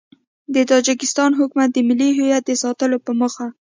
د تاجیکستان حکومت د ملي هویت د ساتلو په موخه